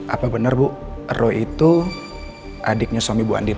apa bener bu roy itu adiknya suami bu andin